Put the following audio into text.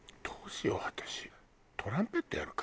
どうしよう私。